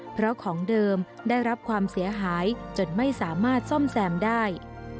เพราะของเดิมได้รับความเสียหายจนไม่สามารถซ่อมแซมได้